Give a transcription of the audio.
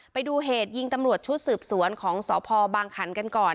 ไปดูเหตุยิงตำรวจชุดสืบสวนของสพบางขันกันก่อน